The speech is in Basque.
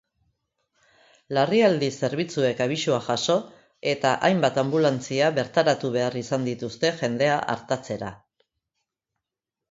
Larrialdi zerbitzuek abisua jaso eta hainbat anbulantzia bertaratu behar izan dituzte jendea artatzera.